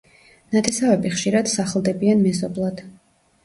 ნათესავები ხშირად სახლდებიან მეზობლად.